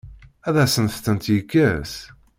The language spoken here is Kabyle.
Ad asent-tent-yekkes?